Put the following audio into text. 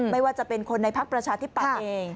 ไม่ว่าจะเป็นคนในพักประชาธิปัตย์เอง